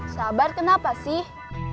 sabar kenapa sih